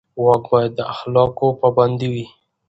واک باید د اخلاقو پابند وي.